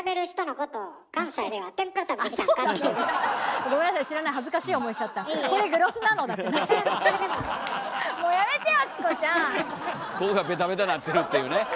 ここがベタベタなってるっていうね。